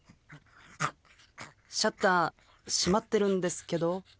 シャッター閉まってるんですけど。